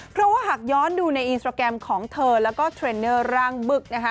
เพราะว่าหากย้อนดูในอินสตราแกรมของเธอแล้วก็เทรนเนอร์ร่างบึกนะคะ